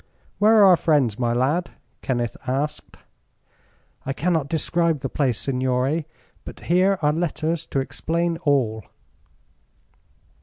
"Where are our friends, my lad?" Kenneth asked. "I cannot describe the place, signore; but here are letters to explain all."